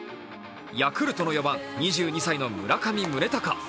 ヤクルトの４番、２２歳の村上宗隆。